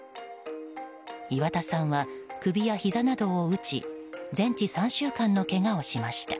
岩田さんは、首やひざなどを打ち全治３週間のけがをしました。